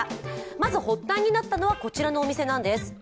まず発端になったのはこちらのお店なんです。